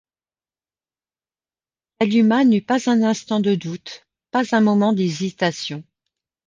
Kalumah n’eut pas un instant de doute, pas un moment d’hésitation.